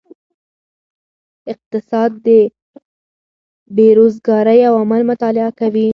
اقتصاد د بیروزګارۍ عوامل مطالعه کوي.